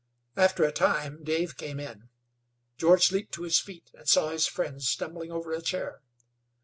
After a time Dave came in. George leaped to his feet and saw his friend stumbling over a chair.